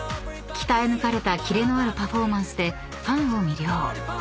［鍛え抜かれたキレのあるパフォーマンスでファンを魅了］